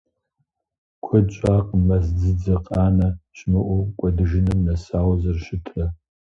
Куэд щӀакъым мэз дзыдзэр къанэ щымыӀэу кӀуэдыжыным нэсауэ зэрыщытрэ.